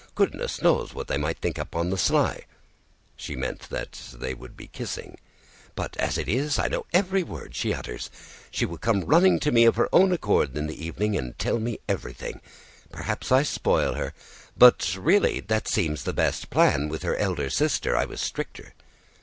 goodness knows what they might be up to on the sly" (she meant that they would be kissing), "but as it is, I know every word she utters. She will come running to me of her own accord in the evening and tell me everything. Perhaps I spoil her, but really that seems the best plan. With her elder sister I was stricter."